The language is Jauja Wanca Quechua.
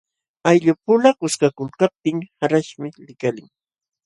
Ayllupula kuskakulkaptin qarqaśhmi likalin.